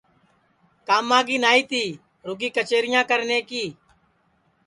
کاما کی نائی تی رُگی کچیریاں کرنے کی